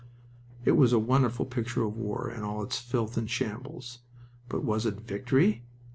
It was a wonderful picture of war in all its filth and shambles. But was it Victory?